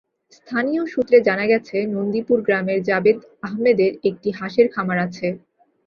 স্থানীয় সূত্রে জানা গেছে, নন্দীপুর গ্রামের জাবেদ আহমদের একটি হাঁসের খামার আছে।